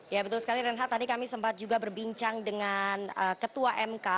ya betul sekali renhat tadi kami sempat juga berbincang dengan ketua mk